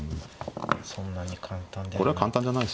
そんなに簡単ではない。